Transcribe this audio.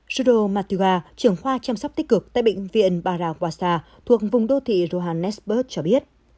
judo matua trưởng khoa chăm sóc tích cực tại bệnh viện paraguasa thuộc vùng đô thị johannesburg cho biết